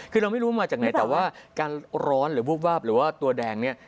คือเราไม่รู้มาจากไหนแต่ว่าการร้อนหรือวูบวาบหรือว่าตัวแดงเนี่ย